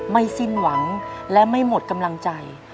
สิ้นหวังและไม่หมดกำลังใจ